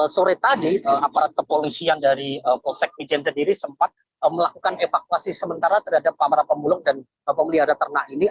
sore tadi aparat kepolisian dari polsek ijen sendiri sempat melakukan evakuasi sementara terhadap para pemulung dan pemelihara ternak ini